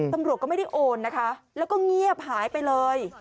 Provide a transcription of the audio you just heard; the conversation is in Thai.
ตำรวจก็ไม่ได้โอนนะคะแล้วก็เงียบหายไปเลย